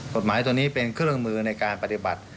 กฎหมายตัวนี้เป็นเครื่องมือในการปฏิบัติ